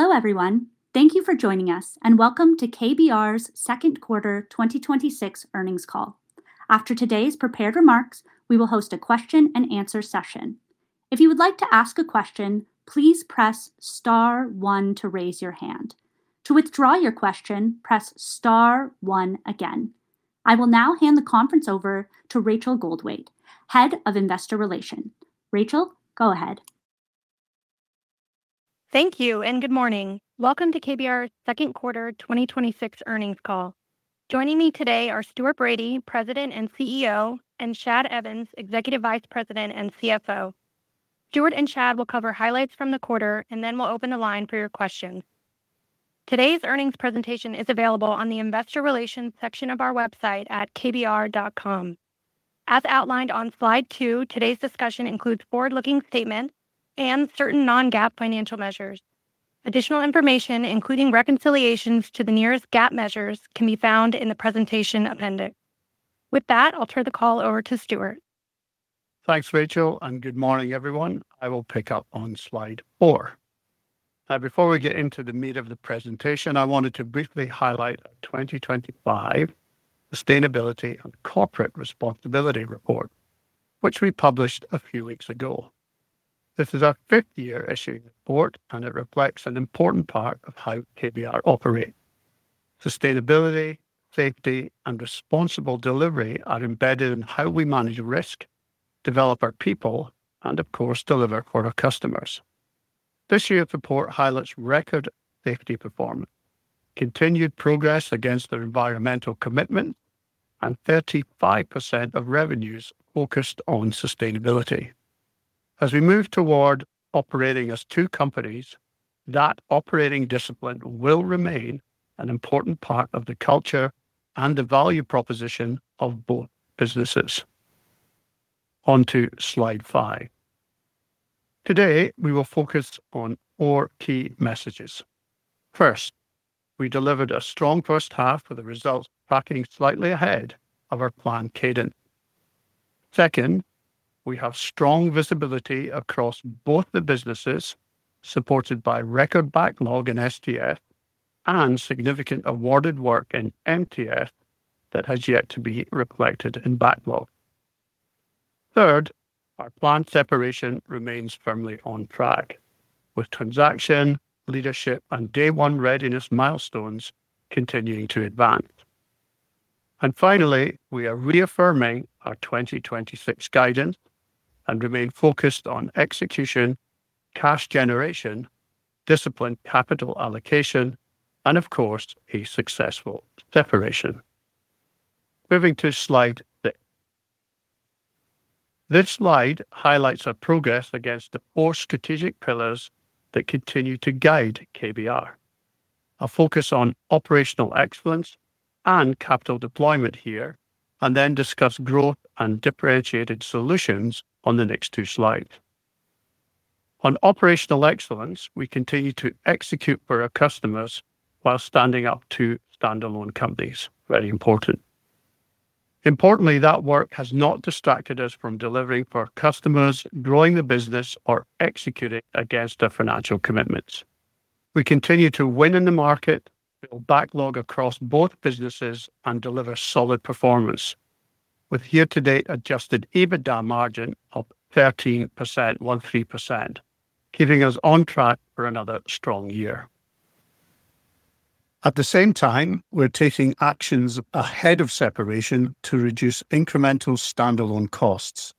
Hello, everyone. Thank you for joining us. Welcome to KBR's Second Quarter 2026 Earnings Call. After today's prepared remarks, we will host a question-and-answer session. If you would like to ask a question, please press star one to raise your hand. To withdraw your question, press star one again. I will now hand the conference over to Rachael Goldwait, Head of Investor Relations. Rachael, go ahead. Thank you. Good morning. Welcome to KBR's second quarter 2026 earnings call. Joining me today are Stuart Bradie, President and CEO, and Shad Evans, Executive Vice President and CFO. Stuart and Shad will cover highlights from the quarter. Then we'll open the line for your questions. Today's earnings presentation is available on the investor relations section of our website at kbr.com. As outlined on slide two, today's discussion includes forward-looking statements and certain non-GAAP financial measures. Additional information, including reconciliations to the nearest GAAP measures, can be found in the presentation appendix. With that, I'll turn the call over to Stuart. Thanks, Rachael. Good morning, everyone. I will pick up on slide four. Now, before we get into the meat of the presentation, I wanted to briefly highlight our 2025 Sustainability and Corporate Responsibility Report, which we published a few weeks ago. This is our fifth year issuing this report, and it reflects an important part of how KBR operates. Sustainability, safety, and responsible delivery are embedded in how we manage risk, develop our people, and of course, deliver for our customers. This year's report highlights record safety performance, continued progress against our environmental commitment, and 35% of revenues focused on sustainability. As we move toward operating as two companies, that operating discipline will remain an important part of the culture and the value proposition of both businesses, on to slide five. Today, we will focus on four key messages. First, we delivered a strong first half with the results tracking slightly ahead of our planned cadence. Second, we have strong visibility across both the businesses, supported by record backlog in STS and significant awarded work in MTS that has yet to be reflected in backlog. Third, our planned separation remains firmly on track, with transaction, leadership, and day one readiness milestones continuing to advance. Finally, we are reaffirming our 2026 guidance and remain focused on execution, cash generation, disciplined capital allocation, and of course, a successful separation. Moving to slide six. This slide highlights our progress against the four strategic pillars that continue to guide KBR. I'll focus on operational excellence and capital deployment here. Then discuss growth and differentiated solutions on the next two slides. On operational excellence, we continue to execute for our customers while standing up two standalone companies. Very important. Importantly, that work has not distracted us from delivering for our customers, growing the business, or executing against our financial commitments. We continue to win in the market, build backlog across both businesses, and deliver solid performance, with year-to-date adjusted EBITDA margin of 13%, keeping us on track for another strong year. At the same time, we're taking actions ahead of separation to reduce incremental standalone costs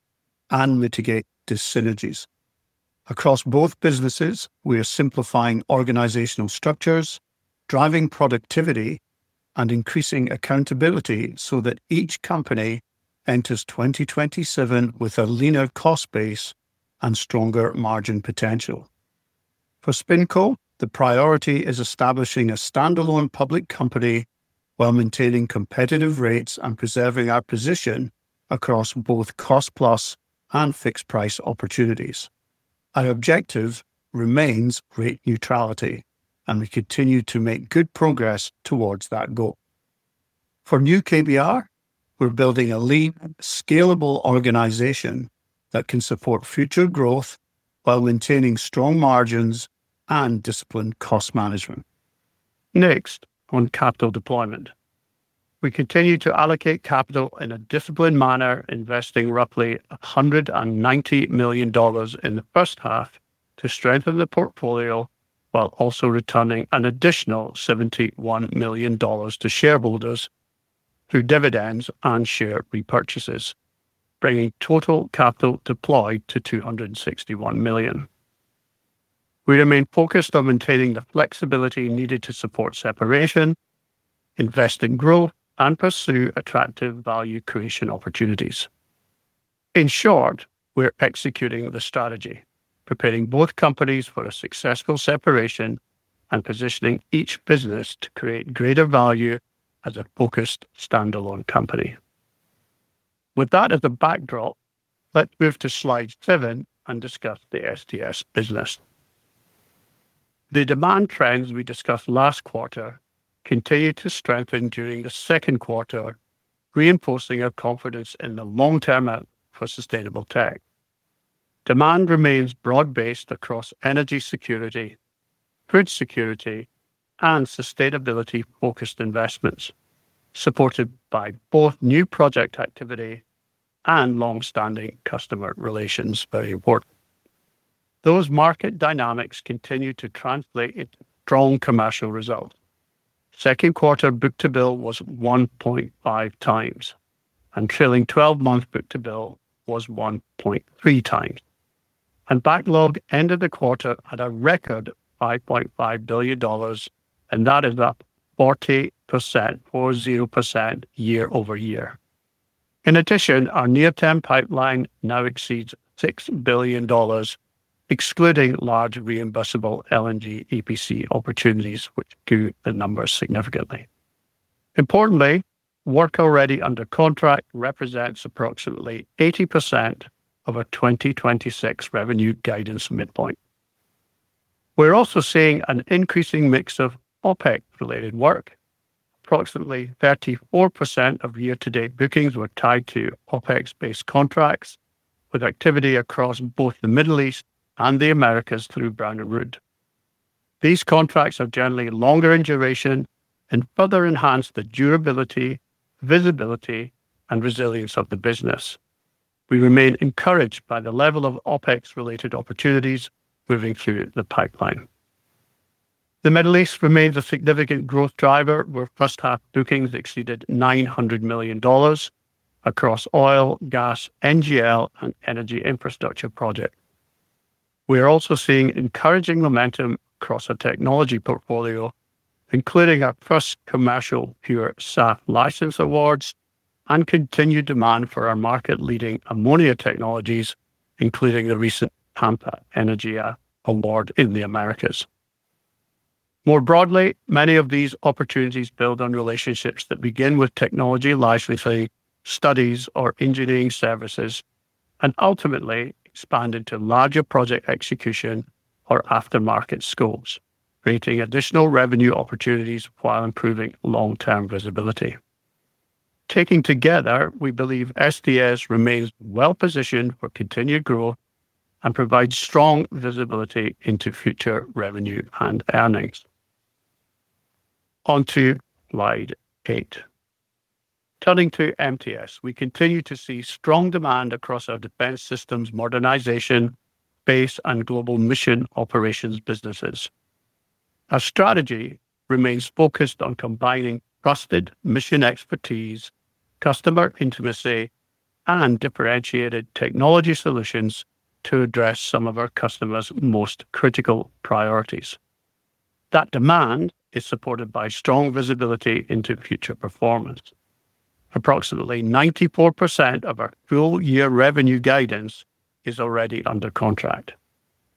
and mitigate dissynergies. Across both businesses, we are simplifying organizational structures, driving productivity, and increasing accountability so that each company enters 2027 with a leaner cost base and stronger margin potential. For SpinCo, the priority is establishing a standalone public company while maintaining competitive rates and preserving our position across both cost-plus and fixed-price opportunities. Our objective remains rate neutrality, we continue to make good progress towards that goal. For new KBR, we're building a lean, scalable organization that can support future growth while maintaining strong margins and disciplined cost management. Next, on capital deployment. We continue to allocate capital in a disciplined manner, investing roughly $190 million in the first half to strengthen the portfolio while also returning an additional $71 million to shareholders through dividends and share repurchases, bringing total capital deployed to $261 million. We remain focused on maintaining the flexibility needed to support separation, invest in growth, and pursue attractive value creation opportunities. In short, we're executing the strategy, preparing both companies for a successful separation and positioning each business to create greater value as a focused standalone company. With that as a backdrop, let's move to slide seven and discuss the STS business. The demand trends we discussed last quarter continued to strengthen during the second quarter, reinforcing our confidence in the long-term outlook for sustainable tech. Demand remains broad-based across energy security, food security, and sustainability-focused investments, supported by both new project activity and long-standing customer relations. Very important. Those market dynamics continue to translate into strong commercial results. Second quarter book-to-bill was 1.5 times, trailing 12-month book-to-bill was 1.3 times. Backlog ended the quarter at a record $5.5 billion, and that is up 40% year-over-year. In addition, our near-term pipeline now exceeds $6 billion, excluding large reimbursable LNG EPC opportunities, which grew the numbers significantly. Importantly, work already under contract represents approximately 80% of our 2026 revenue guidance midpoint. We're also seeing an increasing mix of OpEx-related work. Approximately 34% of year-to-date bookings were tied to OpEx-based contracts, with activity across both the Middle East and the Americas through Brown & Root. These contracts are generally longer in duration and further enhance the durability, visibility, and resilience of the business. We remain encouraged by the level of OpEx-related opportunities moving through the pipeline. The Middle East remains a significant growth driver, where first half bookings exceeded $900 million across oil, gas, NGL, and energy infrastructure projects. We are also seeing encouraging momentum across our technology portfolio, including our first commercial PureSAF license awards and continued demand for our market-leading ammonia technologies, including the recent Pampa Energía award in the Americas. More broadly, many of these opportunities build on relationships that begin with technology licensing, studies, or engineering services, and ultimately expand into larger project execution or aftermarket scopes, creating additional revenue opportunities while improving long-term visibility. Taken together, we believe STS remains well-positioned for continued growth and provides strong visibility into future revenue and earnings, on to slide eight. Turning to MTS, we continue to see strong demand across our defense systems modernization, base, and global mission operations businesses. Our strategy remains focused on combining trusted mission expertise, customer intimacy, and differentiated technology solutions to address some of our customers' most critical priorities. That demand is supported by strong visibility into future performance. Approximately 94% of our full-year revenue guidance is already under contract.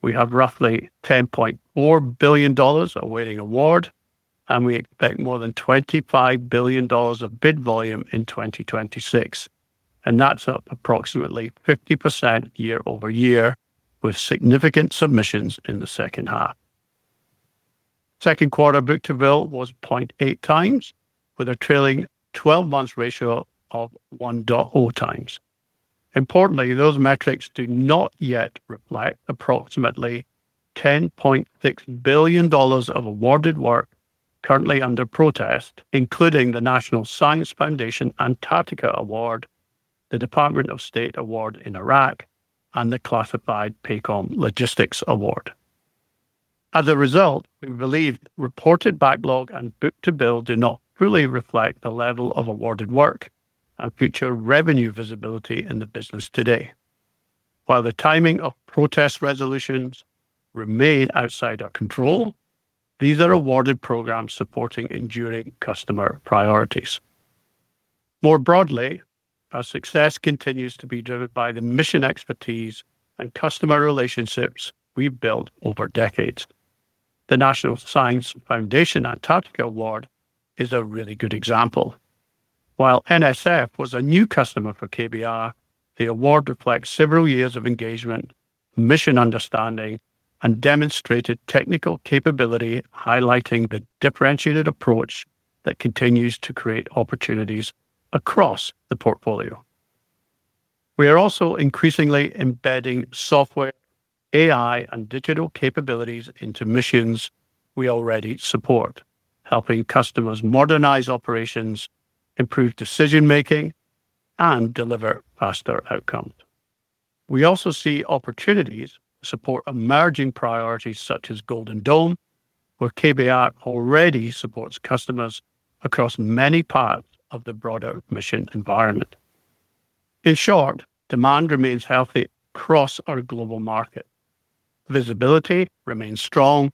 We have roughly $10.4 billion awaiting award, and we expect more than $25 billion of bid volume in 2026, and that's up approximately 50% year-over-year, with significant submissions in the second half. Second quarter book-to-bill was 0.8 times with a trailing 12-month ratio of 1.0 times. Importantly, those metrics do not yet reflect approximately $1.6 billion of awarded work currently under protest, including the National Science Foundation Antarctica award, the Department of State award in Iraq, and the classified PACOM Logistics award. As a result, we believe reported backlog and book-to-bill do not fully reflect the level of awarded work and future revenue visibility in the business today. While the timing of protest resolutions remains outside our control, these are awarded programs supporting enduring customer priorities. More broadly, our success continues to be driven by the mission expertise and customer relationships we've built over decades. The National Science Foundation Antarctica award is a really good example. While NSF was a new customer for KBR, the award reflects several years of engagement, mission understanding, and demonstrated technical capability, highlighting the differentiated approach that continues to create opportunities across the portfolio. We are also increasingly embedding software, AI, and digital capabilities into missions we already support, helping customers modernize operations, improve decision-making, and deliver faster outcomes. We also see opportunities to support emerging priorities such as Golden Dome, where KBR already supports customers across many parts of the broader mission environment. In short, demand remains healthy across our global markets. Visibility remains strong,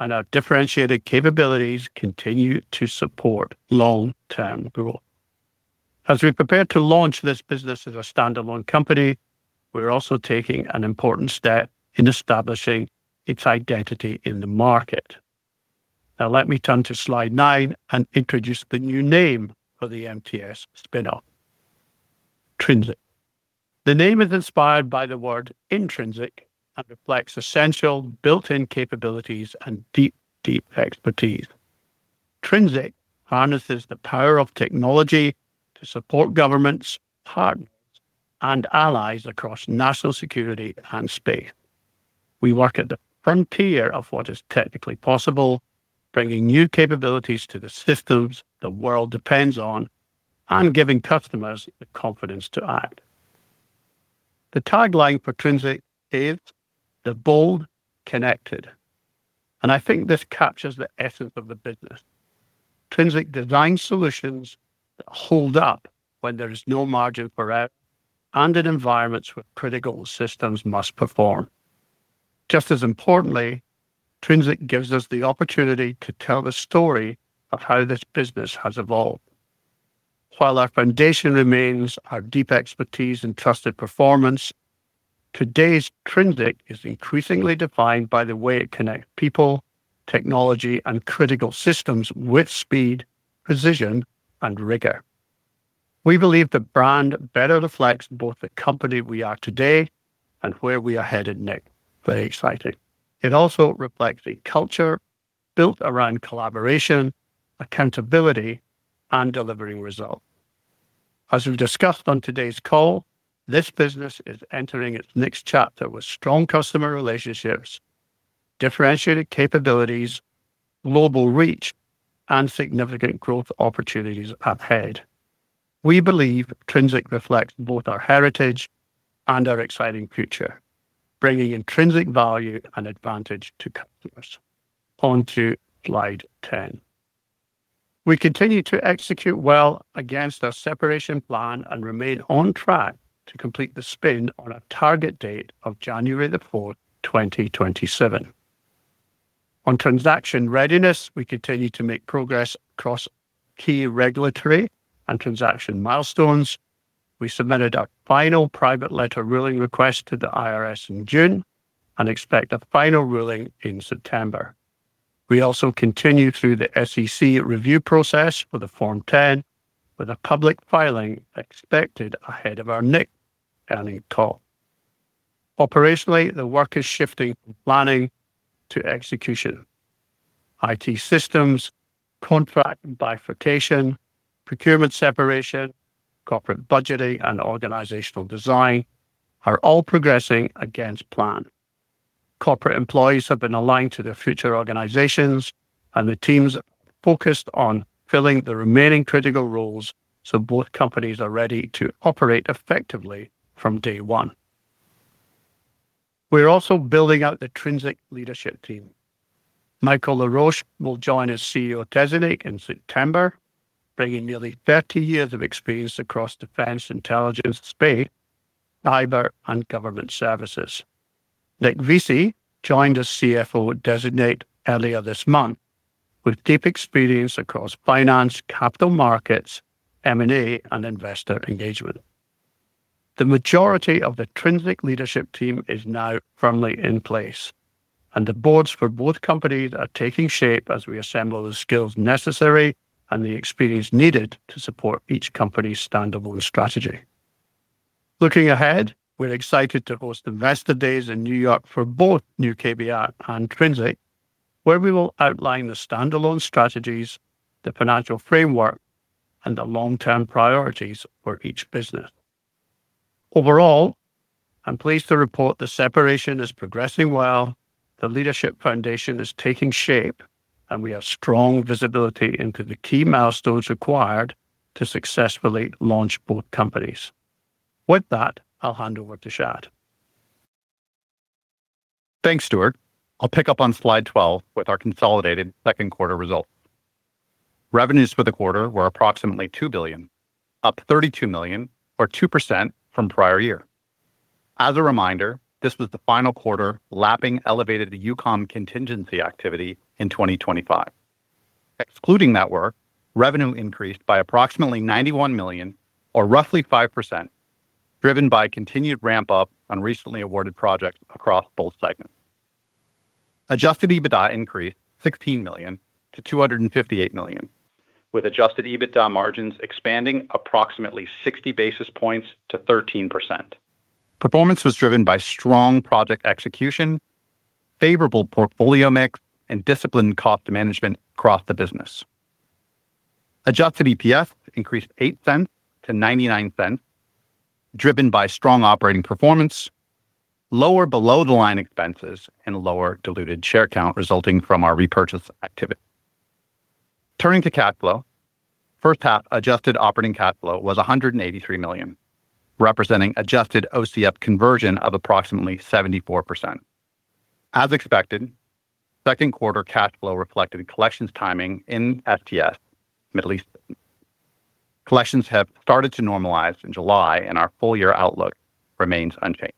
and our differentiated capabilities continue to support long-term growth. As we prepare to launch this business as a standalone company, we're also taking an important step in establishing its identity in the market. Now, let me turn to slide nine and introduce the new name for the MTS spin-off, Trinzic. The name is inspired by the word intrinsic and reflects essential built-in capabilities and deep expertise. Trinzic harnesses the power of technology to support governments, partners, and allies across national security and space. We work at the frontier of what is technically possible, bringing new capabilities to the systems the world depends on, and giving customers the confidence to act. The tagline for Trinzic is "The bold connected," and I think this captures the essence of the business. Trinzic designs solutions that hold up when there is no margin for error and in environments where critical systems must perform. Just as importantly, Trinzic gives us the opportunity to tell the story of how this business has evolved. While our foundation remains our deep expertise in trusted performance, today's Trinzic is increasingly defined by the way it connects people, technology, and critical systems with speed, precision, and rigor. We believe the brand better reflects both the company we are today and where we are headed next. Very exciting. It also reflects a culture built around collaboration, accountability, and delivering results. As we've discussed on today's call, this business is entering its next chapter with strong customer relationships, differentiated capabilities, global reach, and significant growth opportunities ahead. We believe Trinzic reflects both our heritage and our exciting future, bringing intrinsic value and advantage to customers, on to slide 10. We continue to execute well against our separation plan and remain on track to complete the spin on our target date of January 4th, 2027. On transaction readiness, we continue to make progress across key regulatory and transaction milestones. We submitted our final private letter ruling request to the IRS in June and expect a final ruling in September. We also continue through the SEC review process for the Form 10, with a public filing expected ahead of our next earnings call. Operationally, the work is shifting from planning to execution. IT systems, contract bifurcation, procurement separation, corporate budgeting, and organizational design are all progressing against plan. Corporate employees have been aligned to their future organizations, and the teams are focused on filling the remaining critical roles so both companies are ready to operate effectively from day one. We're also building out the Trinzic leadership team. Michael LaRouche will join as CEO-designate in September, bringing nearly 30 years of experience across defense, intelligence, space, cyber, and government services. Nick Visi joined as CFO-designate earlier this month, with deep experience across finance, capital markets, M&A, and investor engagement. The majority of the Trinzic leadership team is now firmly in place, and the boards for both companies are taking shape as we assemble the skills necessary and the experience needed to support each company's standalone strategy. Looking ahead, we're excited to host Investor Days in New York for both new KBR and Trinzic, where we will outline the standalone strategies, the financial framework, and the long-term priorities for each business. Overall, I'm pleased to report the separation is progressing well, the leadership foundation is taking shape, and we have strong visibility into the key milestones required to successfully launch both companies. With that, I'll hand over to Shad. Thanks, Stuart. I'll pick up on slide 12 with our consolidated second quarter results. Revenues for the quarter were approximately $2 billion, up $32 million or 2% from prior year. As a reminder, this was the final quarter lapping elevated EUCOM contingency activity in 2025. Excluding that work, revenue increased by approximately $91 million or roughly 5%, driven by continued ramp-up on recently awarded projects across both segments. Adjusted EBITDA increased $16 million to $258 million, with Adjusted EBITDA margins expanding approximately 60 basis points to 13%. Performance was driven by strong project execution, favorable portfolio mix, and disciplined cost management across the business. Adjusted EPS increased $0.08 to $0.99, driven by strong operating performance, lower below-the-line expenses, and lower diluted share count resulting from our repurchase activity. Turning to cash flow, first half adjusted operating cash flow was $183 million, representing adjusted OCF conversion of approximately 74%. As expected, second quarter cash flow reflected collections timing in STS Middle East. Collections have started to normalize in July, and our full-year outlook remains unchanged.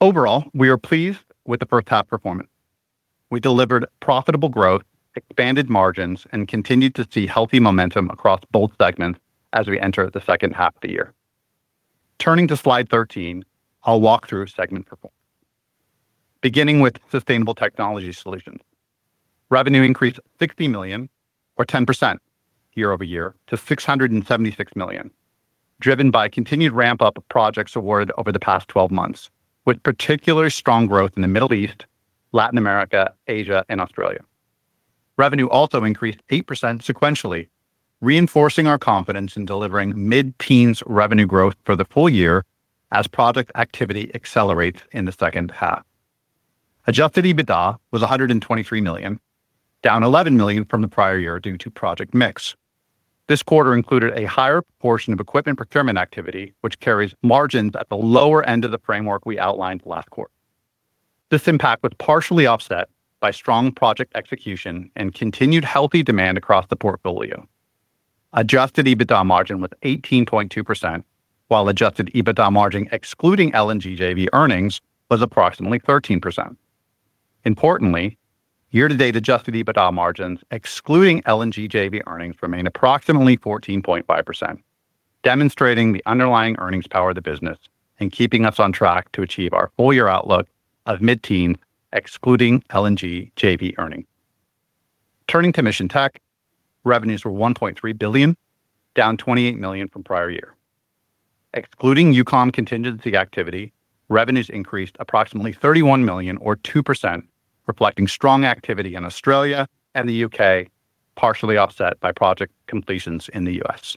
Overall, we are pleased with the first half performance. We delivered profitable growth, expanded margins, and continued to see healthy momentum across both segments as we enter the second half of the year. Turning to slide 13, I'll walk through segment performance. Beginning with Sustainable Technology Solutions. Revenue increased $60 million or 10% year-over-year to $676 million, driven by continued ramp-up of projects awarded over the past 12 months, with particularly strong growth in the Middle East, Latin America, Asia, and Australia. Revenue also increased 8% sequentially, reinforcing our confidence in delivering mid-teens revenue growth for the full year as project activity accelerates in the second half. Adjusted EBITDA was $123 million, down $11 million from the prior year due to project mix. This quarter included a higher proportion of equipment procurement activity, which carries margins at the lower end of the framework we outlined last quarter. This impact was partially offset by strong project execution and continued healthy demand across the portfolio. Adjusted EBITDA margin was 18.2%, while Adjusted EBITDA margin excluding LNG JV earnings was approximately 13%. Importantly, year-to-date adjusted EBITDA margins, excluding LNG JV earnings, remain approximately 14.5%, demonstrating the underlying earnings power of the business and keeping us on track to achieve our full-year outlook of mid-teen, excluding LNG JV earnings. Turning to Mission Tech, revenues were $1.3 billion, down $28 million from prior year. Excluding EUCOM contingency activity, revenues increased approximately $31 million or 2%, reflecting strong activity in Australia and the U.K., partially offset by project completions in the U.S.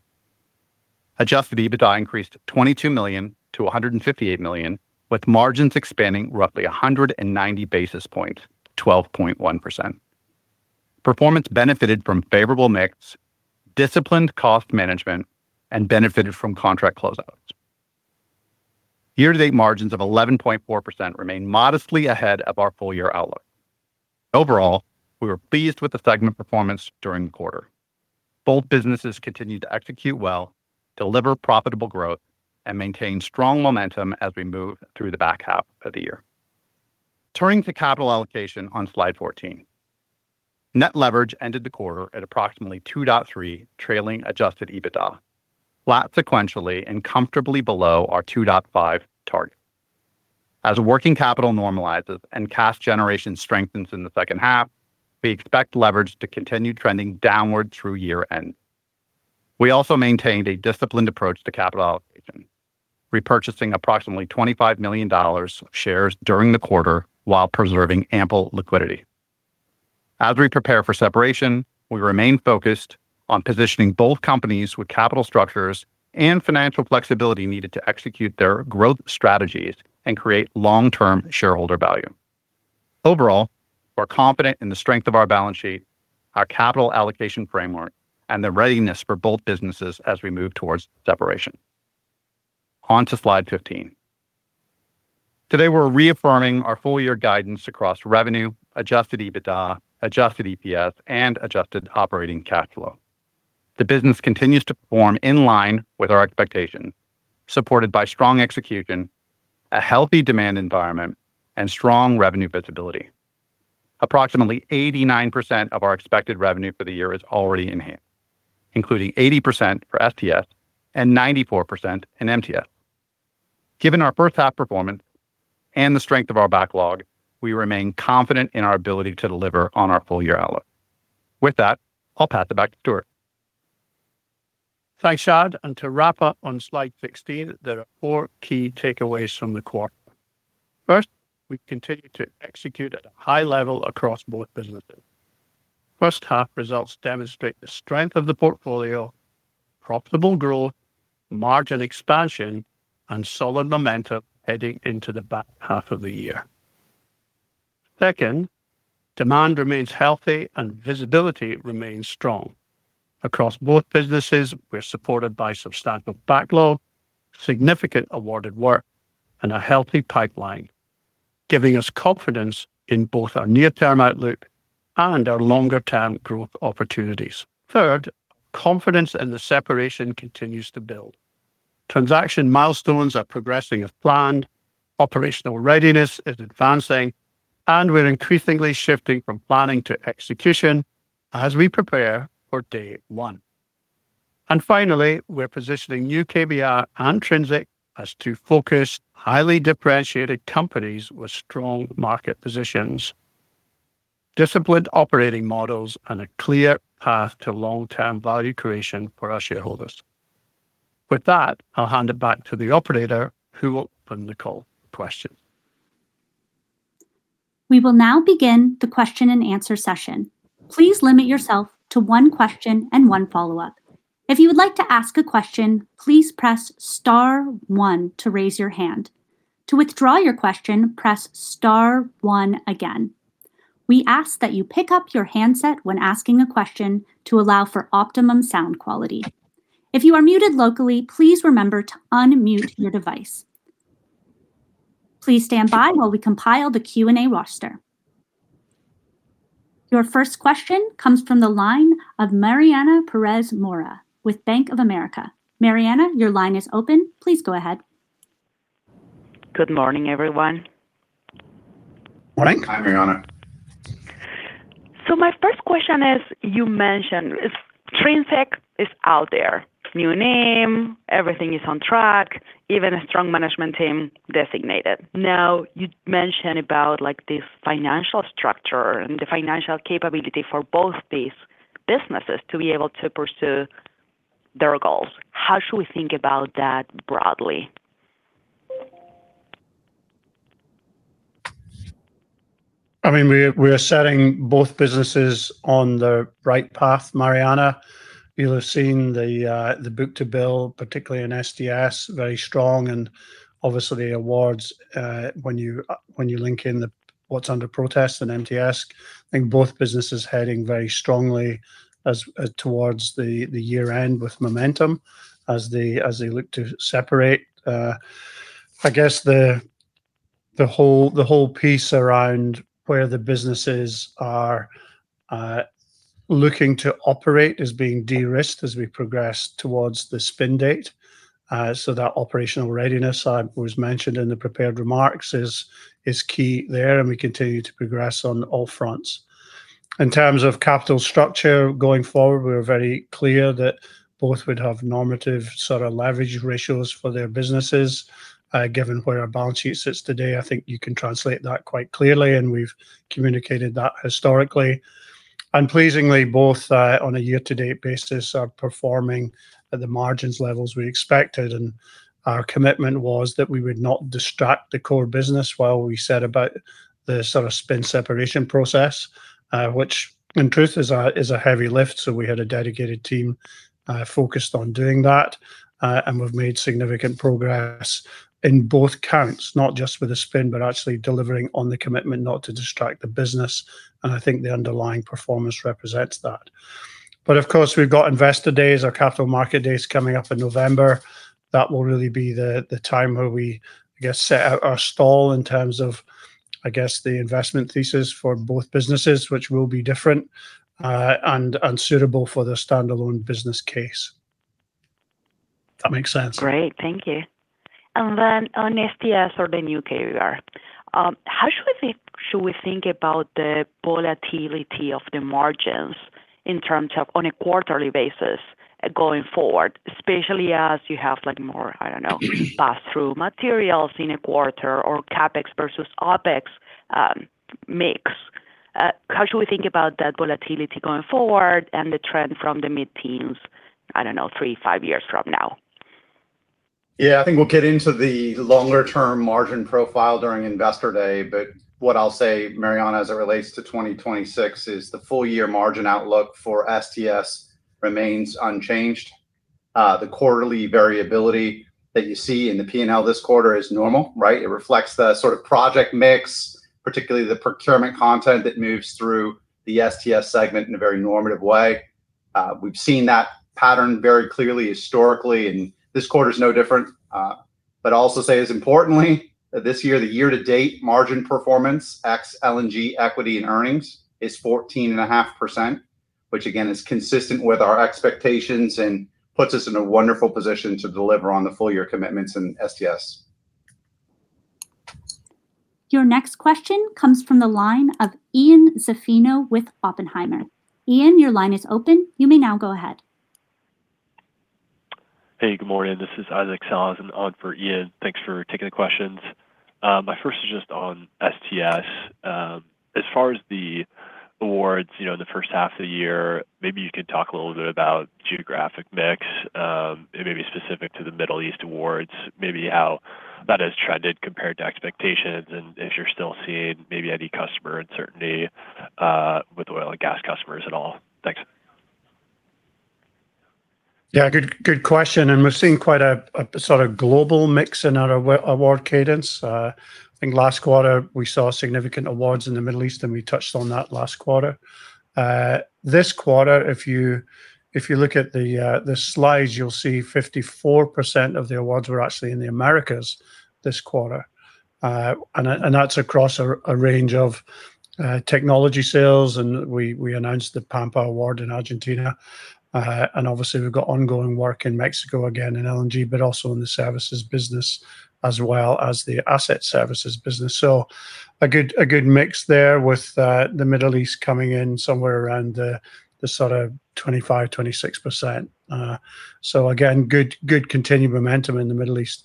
Adjusted EBITDA increased $22 million to $158 million, with margins expanding roughly 190 basis points 12.1%. Performance benefited from favorable mix, disciplined cost management, and benefited from contract closeouts. Year-to-date margins of 11.4% remain modestly ahead of our full-year outlook. Overall, we were pleased with the segment performance during the quarter. Both businesses continued to execute well, deliver profitable growth, and maintain strong momentum as we move through the back half of the year. Turning to capital allocation on slide 14. Net leverage ended the quarter at approximately 2.3 trailing Adjusted EBITDA, flat sequentially and comfortably below our 2.5 target. As working capital normalizes and cash generation strengthens in the second half, we expect leverage to continue trending downward through year-end. We also maintained a disciplined approach to capital allocation, repurchasing approximately $25 million of shares during the quarter while preserving ample liquidity. As we prepare for separation, we remain focused on positioning both companies with capital structures and financial flexibility needed to execute their growth strategies and create long-term shareholder value. Overall, we're confident in the strength of our balance sheet, our capital allocation framework, and the readiness for both businesses as we move towards separation. On to slide 15. Today, we're reaffirming our full year guidance across revenue, Adjusted EBITDA, Adjusted EPS, and adjusted operating cash flow. The business continues to perform in line with our expectations, supported by strong execution, a healthy demand environment, and strong revenue visibility. Approximately 89% of our expected revenue for the year is already in hand, including 80% for STS and 94% in MTS. Given our first half performance and the strength of our backlog, we remain confident in our ability to deliver on our full-year outlook. With that, I'll pass it back to Stuart. Thanks, Shad. To wrap up on slide 16, there are four key takeaways from the quarter. First, we continue to execute at a high level across both businesses. First half results demonstrate the strength of the portfolio, profitable growth, margin expansion, and solid momentum heading into the back half of the year. Second, demand remains healthy and visibility remains strong. Across both businesses, we're supported by substantial backlog, significant awarded work, and a healthy pipeline, giving us confidence in both our near-term outlook and our longer-term growth opportunities. Third, our confidence in the separation continues to build. Transaction milestones are progressing as planned, operational readiness is advancing, and we're increasingly shifting from planning to execution as we prepare for day one. Finally, we're positioning new KBR and Trinzic as two focused, highly differentiated companies with strong market positions, disciplined operating models, and a clear path to long-term value creation for our shareholders. With that, I'll hand it back to the operator, who will open the call for questions. We will now begin the question-and-answer session. Please limit yourself to one question and one follow-up. If you would like to ask a question, please press star one to raise your hand. To withdraw your question, press star one again. We ask that you pick up your handset when asking a question to allow for optimum sound quality. If you are muted locally, please remember to unmute your device. Please stand by while we compile the Q&A roster. Your first question comes from the line of Mariana Perez Mora with Bank of America. Mariana, your line is open. Please go ahead. Good morning, everyone. Morning. Hi, Mariana. My first question is, you mentioned Trinzic is out there. New name, everything is on track, even a strong management team designated. You mentioned about this financial structure and the financial capability for both these businesses to be able to pursue their goals. How should we think about that broadly? We are setting both businesses on the right path, Mariana. You'll have seen the book-to-bill, particularly in STS, very strong, and obviously the awards, when you link in what's under protest in MTS, I think both businesses heading very strongly towards the year-end with momentum as they look to separate. I guess the whole piece around where the businesses are looking to operate as being de-risked as we progress towards the spin date. That operational readiness was mentioned in the prepared remarks is key there, and we continue to progress on all fronts. In terms of capital structure going forward, we're very clear that both would have normative sort of leverage ratios for their businesses, given where our balance sheet sits today, I think you can translate that quite clearly, and we've communicated that historically. Pleasingly, both on a year-to-date basis are performing at the margins levels we expected, and our commitment was that we would not distract the core business while we set about the spin separation process, which in truth is a heavy lift, so we had a dedicated team focused on doing that. We've made significant progress in both counts, not just with the spin, but actually delivering on the commitment not to distract the business. I think the underlying performance represents that. Of course, we've got investor days, our capital market days coming up in November. That will really be the time where we set out our stall in terms of the investment thesis for both businesses, which will be different and suitable for the standalone business case. That make sense? Great. Thank you. On STS or the new KBR, how should we think about the volatility of the margins in terms of on a quarterly basis going forward, especially as you have more, I don't know, pass-through materials in a quarter or CapEx versus OpEx mix. How should we think about that volatility going forward and the trend from the mid-teens, I don't know, three, five years from now? Yeah, I think we'll get into the longer-term margin profile during Investor Day. What I'll say, Mariana, as it relates to 2026, is the full-year margin outlook for STS remains unchanged. The quarterly variability that you see in the P&L this quarter is normal. It reflects the sort of project mix, particularly the procurement content that moves through the STS segment in a very normative way. We've seen that pattern very clearly historically, and this quarter is no different. I'll also say, as importantly, that this year, the year-to-date margin performance ex LNG equity and earnings is 14.5%, which again is consistent with our expectations and puts us in a wonderful position to deliver on the full-year commitments in STS. Your next question comes from the line of Ian Zaffino with Oppenheimer. Ian, your line is open. You may now go ahead. Hey, good morning. This is Isaac Saenz on for Ian. Thanks for taking the questions. My first is just on STS. As far as the awards in the first half of the year, maybe you can talk a little bit about geographic mix, and maybe specific to the Middle East awards, maybe how that has trended compared to expectations and if you're still seeing maybe any customer uncertainty with oil and gas customers at all. Thanks. Yeah, good question. We're seeing quite a sort of global mix in our award cadence. I think last quarter we saw significant awards in the Middle East, and we touched on that last quarter. This quarter, if you look at the slides, you'll see 54% of the awards were actually in the Americas this quarter. That's across a range of technology sales, we announced the Pampa award in Argentina. Obviously, we've got ongoing work in Mexico, again in LNG, but also in the services business as well as the asset services business. A good mix there with the Middle East coming in somewhere around the sort of 25%-26%. Again, good continued momentum in the Middle East.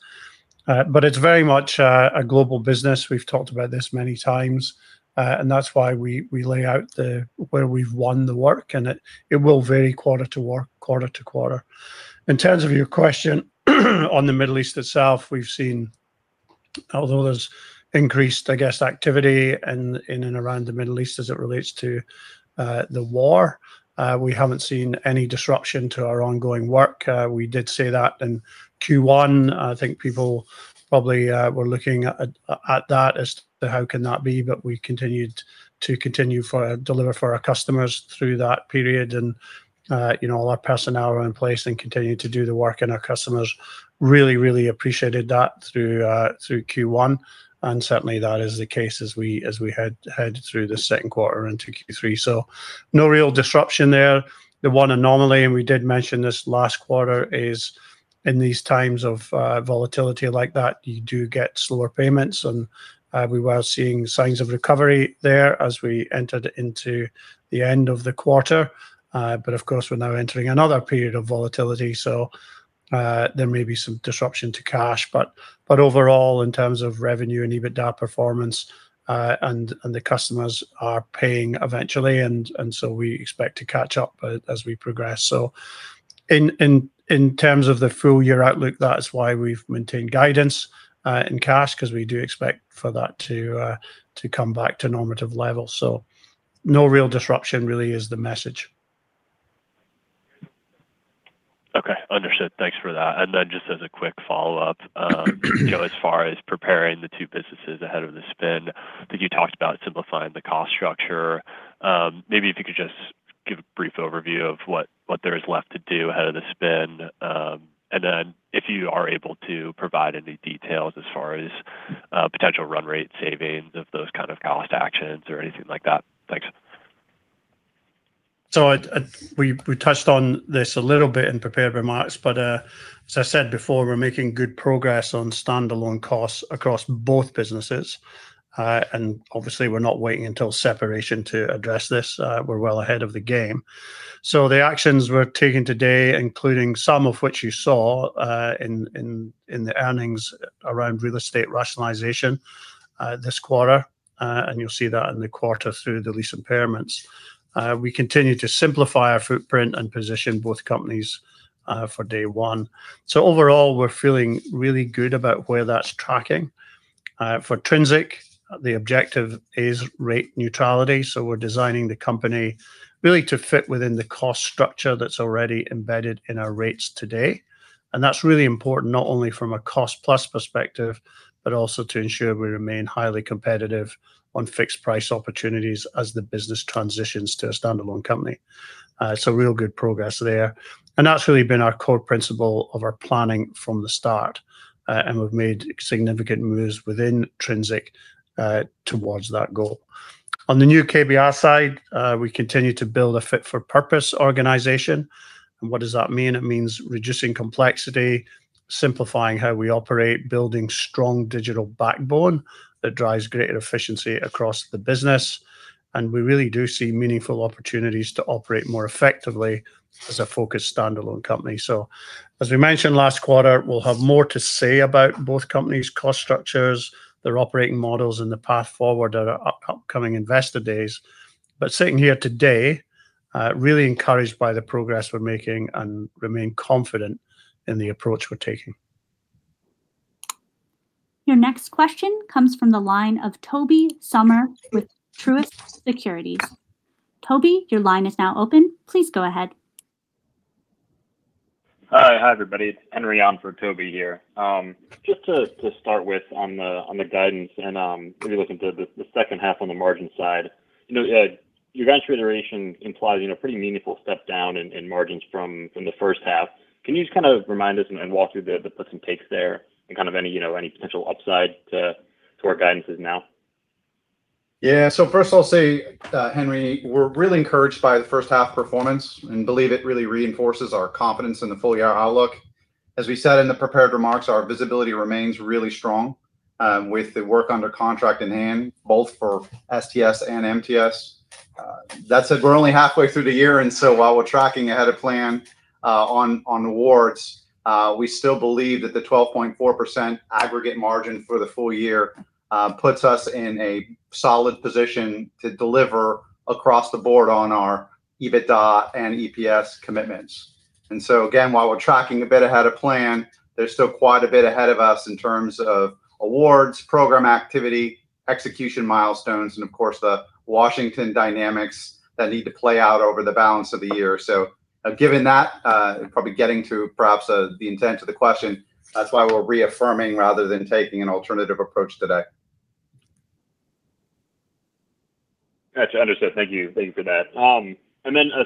It's very much a global business. We've talked about this many times, that's why we lay out where we've won the work. It will vary quarter-to-quarter. In terms of your question on the Middle East itself, we've seen, although there's increased activity in and around the Middle East as it relates to the war, we haven't seen any disruption to our ongoing work. We did say that in Q1. I think people probably were looking at that as to how can that be, we continued to deliver for our customers through that period. All our personnel are in place and continued to do the work, our customers really, really appreciated that through Q1. Certainly, that is the case as we head through the second quarter into Q3. No real disruption there. The one anomaly, we did mention this last quarter, is in these times of volatility like that, you do get slower payments, we were seeing signs of recovery there as we entered into the end of the quarter. Of course, we're now entering another period of volatility, there may be some disruption to cash. Overall, in terms of revenue and EBITDA performance, the customers are paying eventually, we expect to catch up as we progress. In terms of the full-year outlook, that is why we've maintained guidance in cash, because we do expect for that to come back to normative levels. No real disruption really is the message. Okay. Understood. Thanks for that. Just as a quick follow-up as far as preparing the two businesses ahead of the spin, I think you talked about simplifying the cost structure. Maybe if you could just give a brief overview of what there is left to do ahead of the spin, if you are able to provide any details as far as potential run rate savings of those kinds of cost actions or anything like that. Thanks. We touched on this a little bit in prepared remarks, as I said before, we're making good progress on standalone costs across both businesses. Obviously, we're not waiting until separation to address this. We're well ahead of the game. The actions we're taking today, including some of which you saw in the earnings around real estate rationalization this quarter, and you'll see that in the quarter through the lease impairments. We continue to simplify our footprint and position both companies for day one. Overall, we're feeling really good about where that's tracking. For Trinzic, the objective is rate neutrality, we're designing the company really to fit within the cost structure that's already embedded in our rates today. That's really important, not only from a cost-plus perspective, but also to ensure we remain highly competitive on fixed price opportunities as the business transitions to a standalone company. Real good progress there. That's really been our core principle of our planning from the start. We've made significant moves within Trinzic towards that goal. On the new KBR side, we continue to build a fit-for-purpose organization. What does that mean? It means reducing complexity, simplifying how we operate, building strong digital backbone that drives greater efficiency across the business. We really do see meaningful opportunities to operate more effectively as a focused standalone company. As we mentioned last quarter, we'll have more to say about both companies' cost structures, their operating models and the path forward at our upcoming Investor Days. Sitting here today, really encouraged by the progress we're making and remain confident in the approach we're taking. Your next question comes from the line of Tobey Sommer with Truist Securities. Tobey, your line is now open. Please go ahead. Hi, everybody. It's Henry on for Tobey here. Just to start with on the guidance and really looking to the second half on the margin side. Your guidance reiteration implies a pretty meaningful step down in margins from the first half. Can you just kind of remind us and walk through the puts and takes there, and kind of any potential upside to our guidance now? Yeah. First, I'll say, Henry, we're really encouraged by the first half performance and believe it really reinforces our confidence in the full-year outlook. As we said in the prepared remarks, our visibility remains really strong, with the work under contract in hand, both for STS and MTS. That said, we're only halfway through the year. While we're tracking ahead of plan on awards, we still believe that the 12.4% aggregate margin for the full year puts us in a solid position to deliver across the board on our EBITDA and EPS commitments. Again, while we're tracking a bit ahead of plan, there's still quite a bit ahead of us in terms of awards, program activity, execution milestones, and of course, the Washington dynamics that need to play out over the balance of the year. Given that, and probably getting to perhaps the intent of the question, that's why we're reaffirming rather than taking an alternative approach today. Got you. Understood. Thank you. Thank you for that.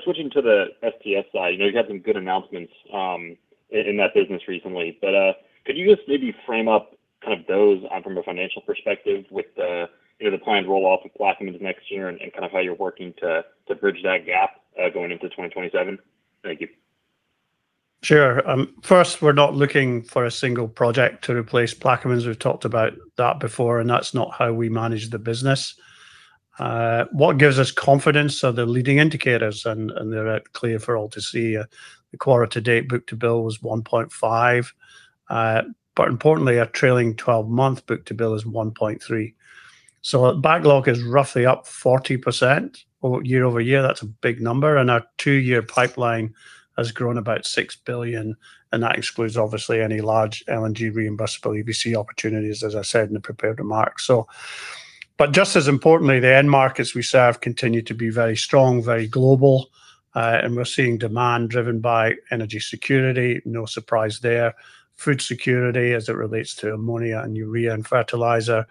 Switching to the STS side, you've had some good announcements in that business recently, but could you just maybe frame up kind of those from a financial perspective with the planned roll-off of Plaquemines next year and kind of how you're working to bridge that gap going into 2027? Thank you. Sure. First, we're not looking for a single project to replace Plaquemines. We've talked about that before, and that's not how we manage the business. What gives us confidence are the leading indicators, and they're clear for all to see. The quarter-to-date book-to-bill was 1.5. Importantly, our trailing 12-month book-to-bill is 1.3. Backlog is roughly up 40% year-over-year. That's a big number, our two-year pipeline has grown about $6 billion, and that excludes, obviously, any large LNG reimbursable EPC opportunities, as I said in the prepared remarks. Just as importantly, the end markets we serve continue to be very strong, very global. We're seeing demand driven by energy security, no surprise there, food security as it relates to ammonia and urea and fertilizer,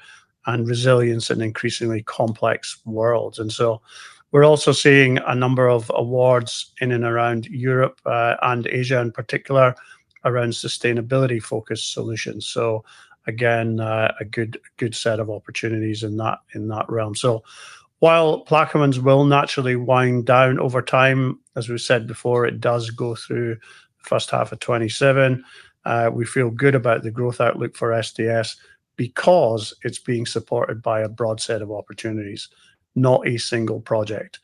and resilience in an increasingly complex world. We're also seeing a number of awards in and around Europe, Asia in particular, around sustainability-focused solutions. Again, a good set of opportunities in that realm. While Plaquemines will naturally wind down over time, as we've said before, it does go through the first half of 2027. We feel good about the growth outlook for STS because it's being supported by a broad set of opportunities, not a single project.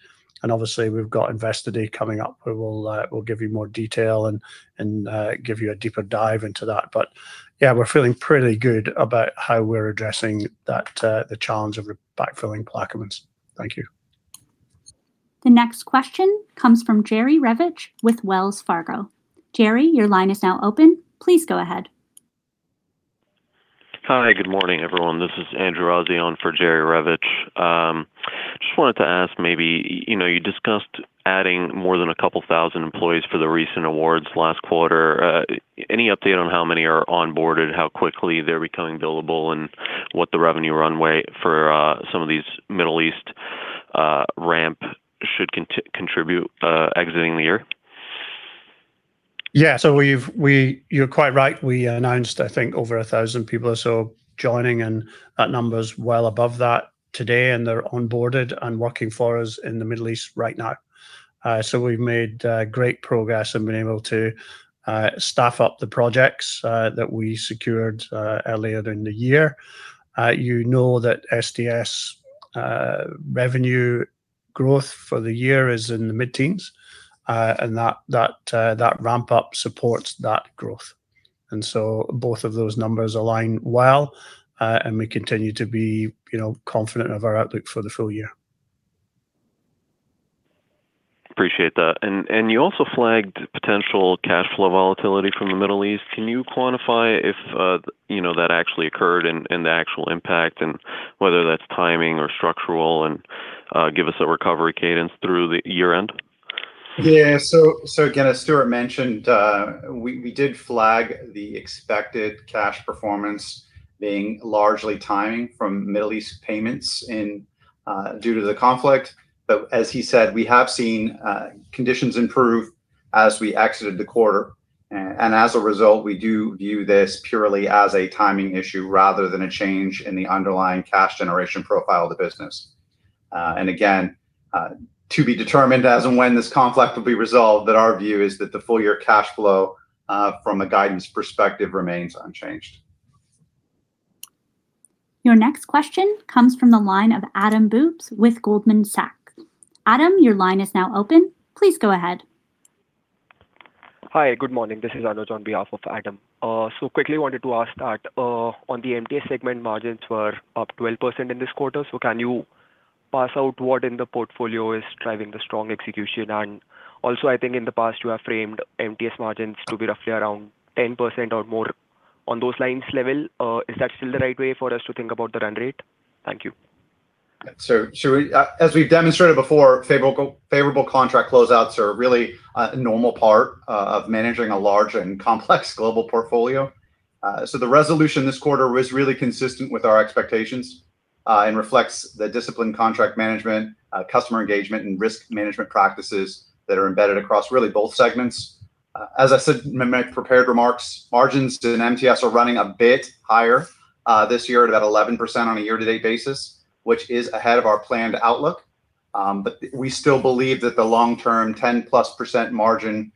Obviously, we've got Investor Day coming up where we'll give you more detail and give you a deeper dive into that. Yeah, we're feeling pretty good about how we're addressing the challenge of backfilling Plaquemines. Thank you The next question comes from Jerry Revich with Wells Fargo. Jerry, your line is now open. Please go ahead. Hi. Good morning, everyone. This is Andrew O'zion for Jerry Revich. Just wanted to ask maybe you discussed adding more than a couple thousand employees for the recent awards last quarter. Any update on how many are onboarded, how quickly they're becoming billable, and what the revenue runway for some of these Middle East ramps should contribute exiting the year? Yeah. You're quite right. We announced, I think, over 1,000 people or so joining, and that number's well above that today, and they're onboarded and working for us in the Middle East right now. We've made great progress and been able to staff up the projects that we secured earlier in the year. You know that STS revenue growth for the year is in the mid-teens, and that ramp-up supports that growth. Both of those numbers align well, and we continue to be confident of our outlook for the full year. Appreciate that. You also flagged potential cash flow volatility from the Middle East. Can you quantify if that actually occurred and the actual impact and whether that's timing or structural, and give us a recovery cadence through the year-end? Yeah. Again, as Stuart Bradie mentioned, we did flag the expected cash performance being largely timing from Middle East payments due to the conflict. As he said, we have seen conditions improve as we exited the quarter. As a result, we do view this purely as a timing issue rather than a change in the underlying cash generation profile of the business. Again, to be determined as and when this conflict will be resolved, our view is that the full-year cash flow, from a guidance perspective, remains unchanged. Your next question comes from the line of Adam Bubes with Goldman Sachs. Adam, your line is now open. Please go ahead. Hi. Good morning. This is Anuj on behalf of Adam. Quickly wanted to ask that on the MTS segment, margins were up 12% in this quarter. Can you parse out what in the portfolio is driving the strong execution? Also, I think in the past you have framed MTS margins to be roughly around 10% or more on those lines level. Is that still the right way for us to think about the run rate? Thank you. As we've demonstrated before, favorable contract closeouts are a really normal part of managing a large and complex global portfolio. The resolution this quarter was really consistent with our expectations, and reflects the disciplined contract management, customer engagement, and risk management practices that are embedded across really both segments. As I said in my prepared remarks, margins in MTS are running a bit higher this year at about 11% on a year-to-date basis, which is ahead of our planned outlook. We still believe that the long-term 10-plus percent margin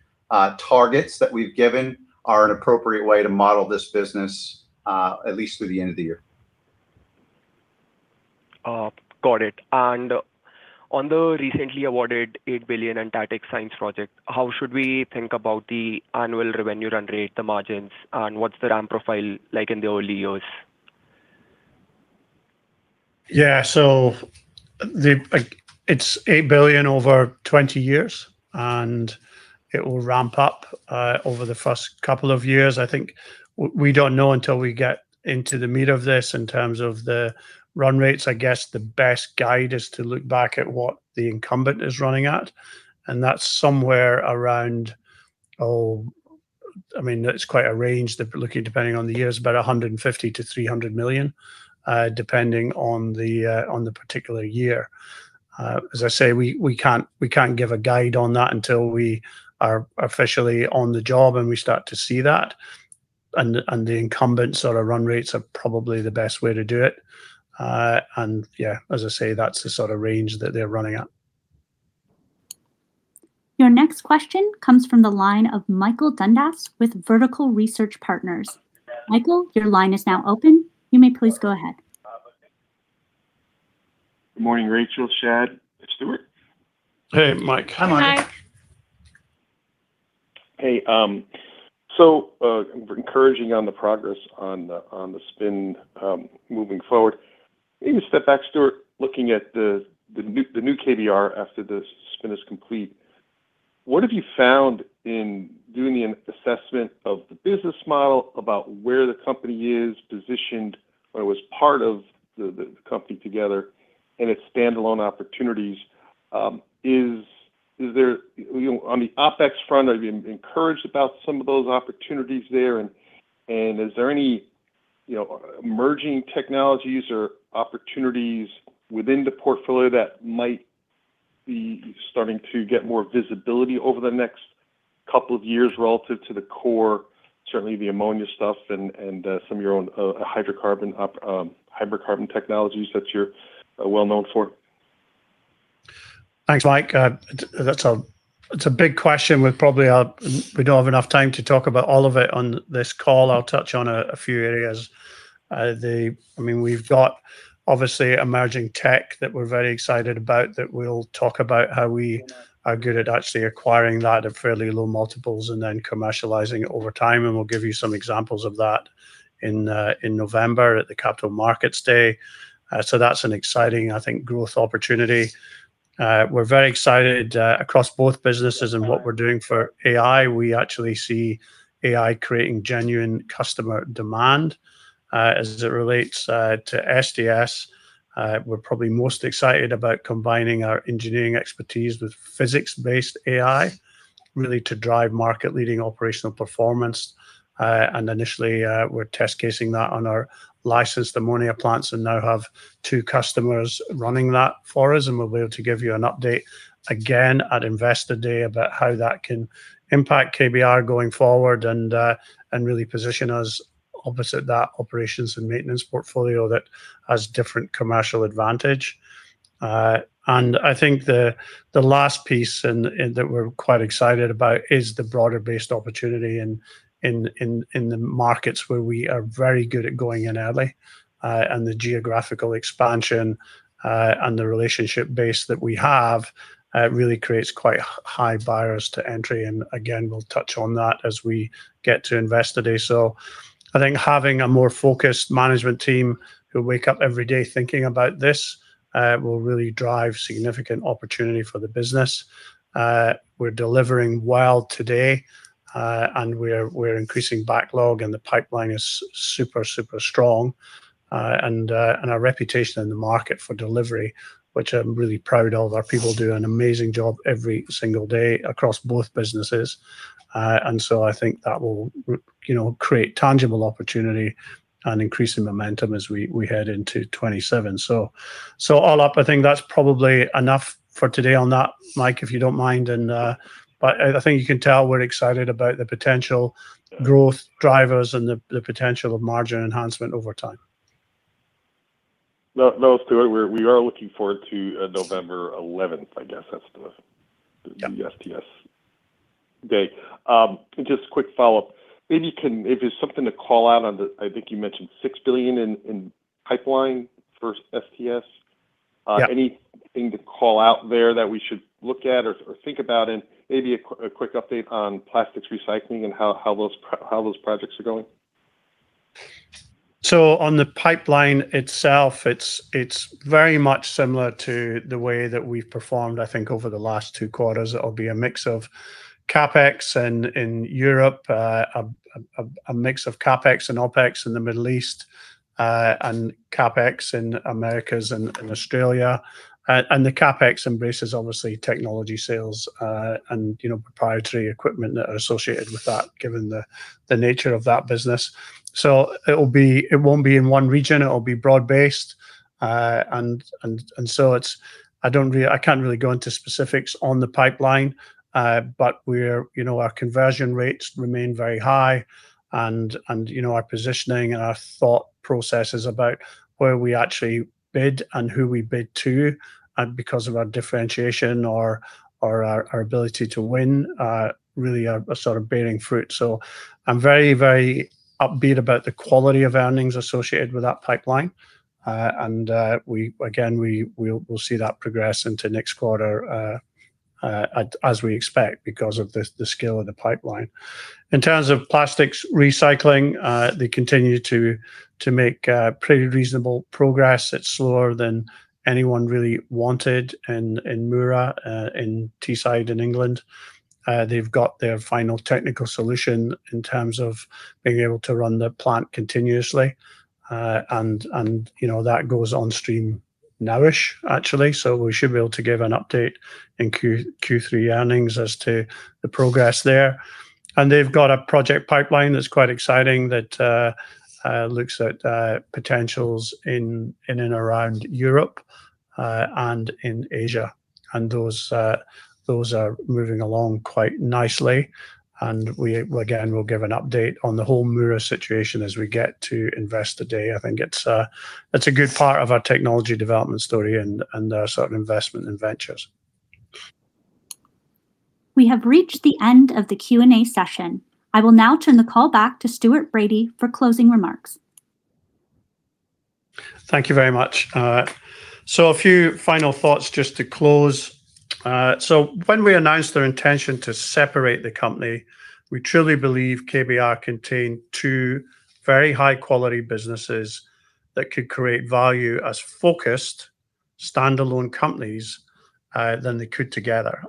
targets that we've given are an appropriate way to model this business, at least through the end of the year. Got it. On the recently awarded $8 billion Antarctic science project, how should we think about the annual revenue run rate, the margins, and what's the ramp profile like in the early years? Yeah. It's $8 billion over 20 years, and it will ramp up over the first couple of years. I think we don't know until we get into the meat of this in terms of the run rates. I guess the best guide is to look back at what the incumbent is running at, and that's somewhere around, it's quite a range, looking depending on the years, but $150 million-$300 million, depending on the particular year. As I say, we can't give a guide on that until we are officially on the job and we start to see that. The incumbent's run rates are probably the best way to do it. Yeah, as I say, that's the sort of range that they're running at. Your next question comes from the line of Michael Dudas with Vertical Research Partners. Michael, your line is now open. You may please go ahead. Good morning, Rachael, Shad, Stuart. Hey, Mike. How are you? Hi. Hey. Encouraging on the progress on the spin moving forward. Maybe step back, Stuart, looking at the new KBR after the spin is complete, what have you found in doing the assessment of the business model about where the company is positioned when it was part of the company together and its standalone opportunities? On the OpEx front, are you encouraged about some of those opportunities there, and is there any emerging technologies or opportunities within the portfolio that might be starting to get more visibility over the next couple of years relative to the core, certainly the ammonia stuff and some of your own hydrocarbon technologies that you're well-known for? Thanks, Mike. It's a big question. We don't have enough time to talk about all of it on this call. I'll touch on a few areas. We've got, obviously, emerging tech that we're very excited about, that we'll talk about how we are good at actually acquiring that at fairly low multiples and then commercializing it over time, and we'll give you some examples of that in November at the Capital Markets Day. That's an exciting, I think, growth opportunity. We're very excited across both businesses and what we're doing for AI. We actually see AI creating genuine customer demand. As it relates to STS, we're probably most excited about combining our engineering expertise with physics-based AI, really to drive market-leading operational performance. Initially, we're test casing that on our licensed ammonia plants and now have two customers running that for us, and we'll be able to give you an update again at Investor Day about how that can impact KBR going forward and really position us opposite that operations and maintenance portfolio that has different commercial advantage. I think the last piece that we're quite excited about is the broader-based opportunity in the markets where we are very good at going in early, and the geographical expansion, and the relationship base that we have really creates quite high barriers to entry. Again, we'll touch on that as we get to Investor Day. I think having a more focused management team who wake up every day thinking about this will really drive significant opportunity for the business. We're delivering well today, and we're increasing backlog, and the pipeline is super strong. Our reputation in the market for delivery which I'm really proud of. Our people do an amazing job every single day across both businesses. I think that will create tangible opportunity and increasing momentum as we head into 2027. All up, I think that's probably enough for today on that, Mike, if you don't mind. I think you can tell we're excited about the potential growth drivers and the potential of margin enhancement over time. No, Stuart, we are looking forward to November 11th. Yeah The STS date. Just a quick follow-up. Maybe you can, if there's something to call out on the, I think you mentioned $6 billion in pipeline for STS. Yeah. Anything to call out there that we should look at or think about? Maybe a quick update on plastics recycling and how those projects are going. On the pipeline itself, it's very much similar to the way that we've performed, I think, over the last two quarters. It'll be a mix of CapEx, and in Europe, a mix of CapEx and OpEx in the Middle East, and CapEx in Americas and Australia. The CapEx embraces obviously, technology sales and proprietary equipment that are associated with that, given the nature of that business. It won't be in one region, it'll be broad-based. I can't really go into specifics on the pipeline. Our conversion rates remain very high, and our positioning and our thought processes about where we actually bid and who we bid to, and because of our differentiation or our ability to win, really are sort of bearing fruit. I'm very upbeat about the quality of earnings associated with that pipeline. Again, we'll see that progress into next quarter, as we expect because of the scale of the pipeline. In terms of plastics recycling, they continue to make pretty reasonable progress. It's slower than anyone really wanted in Mura in Teesside, in England. They've got their final technical solution in terms of being able to run the plant continuously. That goes on stream nowish, actually. We should be able to give an update in Q3 earnings as to the progress there. They've got a project pipeline that's quite exciting that looks at potentials in and around Europe, and in Asia. Those are moving along quite nicely. Again, we'll give an update on the whole Mura situation as we get to Investor Day. I think that's a good part of our technology development story and our sort of investment in ventures. We have reached the end of the Q&A session. I will now turn the call back to Stuart Bradie for closing remarks. Thank you very much. A few final thoughts just to close. When we announced our intention to separate the company, we truly believe KBR contained two very high-quality businesses that could create value as focused, standalone companies, than they could together.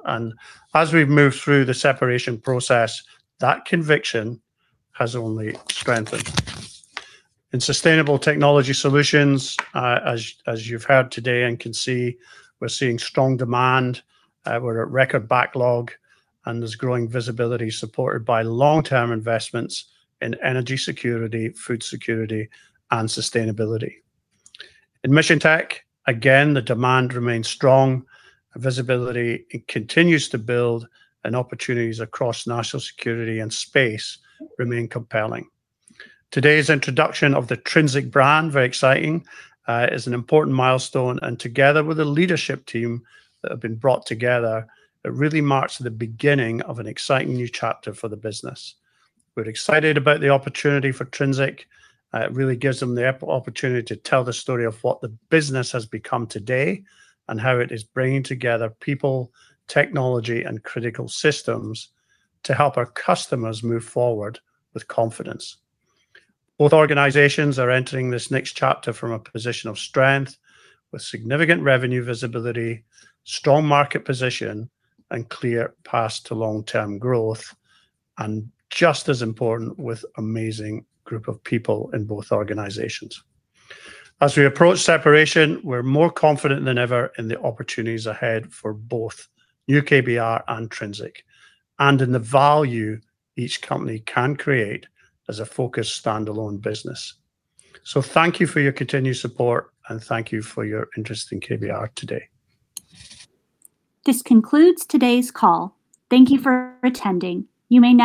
As we've moved through the separation process, that conviction has only strengthened. In Sustainable Technology Solutions, as you've heard today and can see, we're seeing strong demand, we're at record backlog, and there's growing visibility supported by long-term investments in energy security, food security, and sustainability. In Mission Tech, again, the demand remains strong, visibility continues to build, and opportunities across national security and space remain compelling. Today's introduction of the Trinzic brand, very exciting, is an important milestone, and together with the leadership team that have been brought together, it really marks the beginning of an exciting new chapter for the business. We're excited about the opportunity for Trinzic. It really gives them the opportunity to tell the story of what the business has become today and how it is bringing together people, technology, and critical systems to help our customers move forward with confidence. Both organizations are entering this next chapter from a position of strength with significant revenue visibility, strong market position, and clear path to long-term growth, and just as important, with amazing group of people in both organizations. As we approach separation, we're more confident than ever in the opportunities ahead for both new KBR and Trinzic, and in the value each company can create as a focused, standalone business. Thank you for your continued support and thank you for your interest in KBR today. This concludes today's call. Thank you for attending. You may now